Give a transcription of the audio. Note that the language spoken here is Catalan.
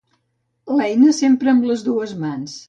L'eina s'empra amb les dues mans.